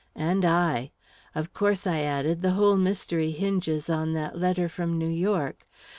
"And I. Of course," I added, "the whole mystery hinges on that letter from New York.